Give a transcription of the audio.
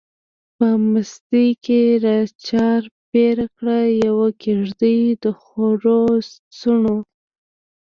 په مستۍ کی را چار پیر کړه، یوه کیږدۍ دخورو څڼو